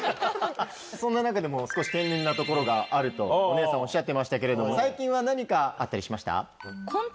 そんな中でも少し。とお姉さんおっしゃってましたけれども最近は何かあったりしました？